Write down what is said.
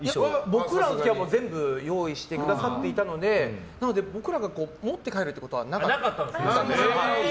僕らの時は全部用意してくださっていたのでなので、僕らが持って帰るということはなかったですね。